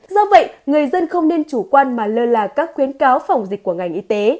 do vậy người dân không nên chủ quan mà lơ là các khuyến cáo phòng dịch của ngành y tế